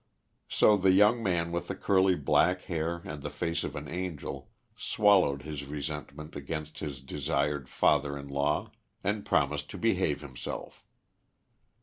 So the young man with the curly black hair and the face of an angel, swallowed his resentment against his desired father in law, and promised to behave himself.